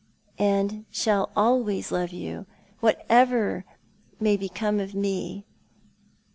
"And shall always love you, whatever may become of mc.